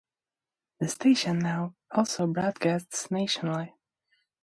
The station now also broadcasts nationally.